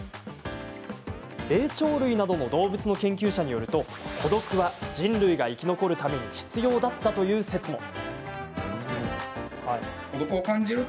霊長類などの動物の研究者によると孤独は人類が生き残るために必要だったという説も。